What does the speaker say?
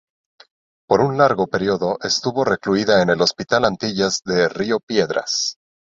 Por un largo período estuvo recluida en el Hospital Antillas de Río Piedras.